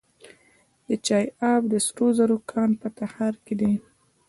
د چاه اب د سرو زرو کان په تخار کې دی.